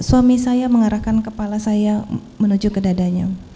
suami saya mengarahkan kepala saya menuju ke dadanya